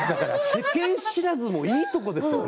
世間知らずもいいところです。